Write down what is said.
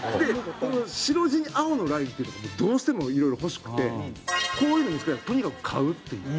白地に青のラインっていうのが僕どうしてもいろいろ欲しくてこういうのを見付けたらとにかく買うっていう。